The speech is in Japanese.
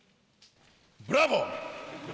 ブラボー！